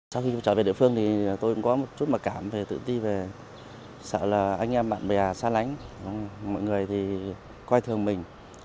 sau khi trở về địa phương thì tôi cũng có một chút mặc cảm về tự ti về sợ là anh em bạn bè xa lánh mọi người thì quay thường mình